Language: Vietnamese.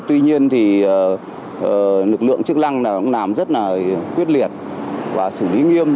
tuy nhiên thì lực lượng chức năng cũng làm rất là quyết liệt và xử lý nghiêm